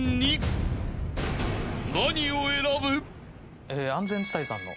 ［何を選ぶ？］